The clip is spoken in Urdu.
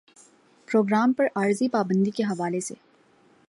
پروگرام پر عارضی پابندی کے حوالے سے